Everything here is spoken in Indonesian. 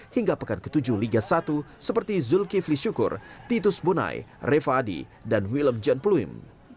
hingga pekan ke tujuh liga satu seperti zulkifli syukur titus bunai reva adi dan willem jan pluim